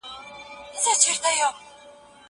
هغه څوک چي کالي مينځي پاک اوسي؟